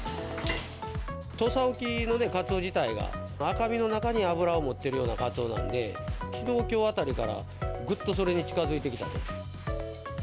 土佐沖のカツオ自体が、赤身の中に脂を持ってるようなカツオなので、きのう、きょうあたりから、ぐっとそれに近づいてきたと。